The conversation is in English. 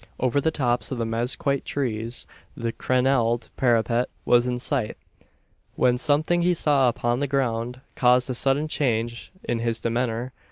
Over the tops of the mezquite trees the crenelled parapet was in sight; when something he saw upon the ground caused a sudden change in his demeanour.